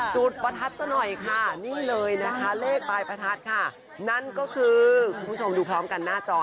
ประทัดซะหน่อยค่ะนี่เลยนะคะเลขปลายประทัดค่ะนั่นก็คือคุณผู้ชมดูพร้อมกันหน้าจอ